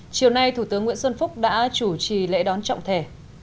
chiều nay thủ tướng nguyễn xuân phúc đã chủ trì lễ đón trọng thể